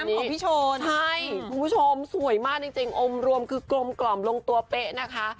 น้องน้ำของพิโชนคุณผู้ชมสวยมากจริงอมรวมคือกลมกล่อมลงตัวเป๊ะนะคะ